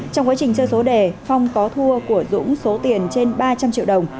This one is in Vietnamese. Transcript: trong quá trình chơi số đề phong có thua của dũng số tiền trên ba trăm linh triệu đồng